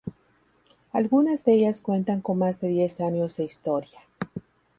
Algunas de ellas cuentan con más de diez años de historia.